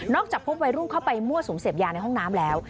จากพบวัยรุ่นเข้าไปมั่วสุมเสพยาในห้องน้ำแล้ว